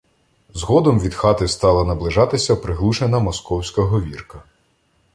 Згодом від хати стала наближатися приглушена московська говірка.